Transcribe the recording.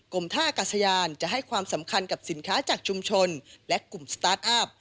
ท่ากาศยานจะให้ความสำคัญกับสินค้าจากชุมชนและกลุ่มสตาร์ทอัพ